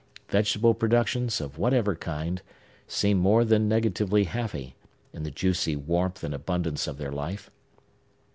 Vegetable productions, of whatever kind, seemed more than negatively happy, in the juicy warmth and abundance of their life.